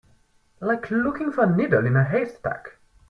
Like looking for a needle in a haystack.